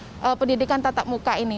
dan juga melakukan pendidikan tatap muka ini